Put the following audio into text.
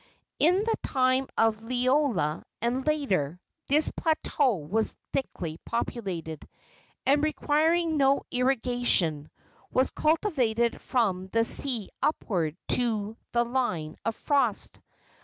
In the time of Liloa, and later, this plateau was thickly populated, and, requiring no irrigation, was cultivated from the sea upward to the line of frost.